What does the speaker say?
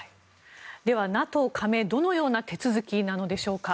ではＮＡＴＯ加盟どのような手続きなのでしょうか。